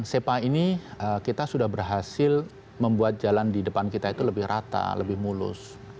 sepa ini kita sudah berhasil membuat jalan di depan kita itu lebih rata lebih mulus